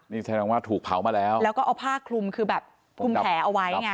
นี่แสดงว่าถูกเผามาแล้วแล้วก็เอาผ้าคลุมคือแบบคลุมแผลเอาไว้ไง